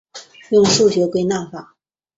用数学归纳法。